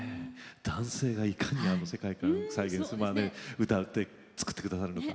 男性がいかにあの世界観を再現歌ってつくってくださるのか。